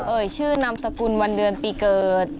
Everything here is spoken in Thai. เอ่ยชื่อนามสกุลวันเดือนปีเกิด